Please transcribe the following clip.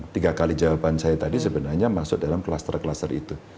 tiga kali jawaban saya tadi sebenarnya masuk dalam kluster kluster itu